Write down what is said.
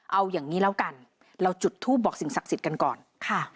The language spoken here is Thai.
เอาอย่างนี้แล้วกันเราจุดทูปบอกสิ่งศักดิ์สิทธิ์กันก่อนค่ะ